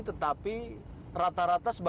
tetapi rata rata sebenarnya